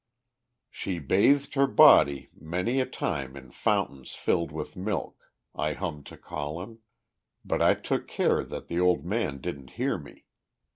"She bathed her body many a time In fountains filled with milk." I hummed to Colin; but I took care that the old man didn't hear me.